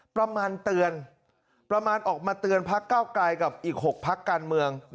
ประมาณเตือนประมาณออกมาเตือนพักเก้าไกลกับอีก๖พักการเมือง